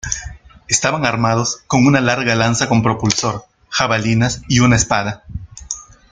Estaban armados con una larga lanza con propulsor, jabalinas y una espada.